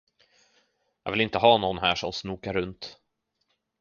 Jag vill inte ha någon här som snokar runt.